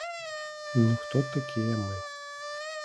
Ну хто такія мы.